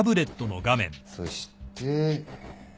そして。